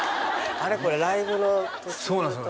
あれっこれライブの途中そうなんですよ